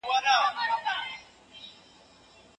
تياره کوټه ذهن ستړی کوي